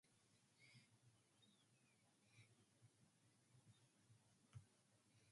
The 'plane had left Inverness airport heading for Dundee airport.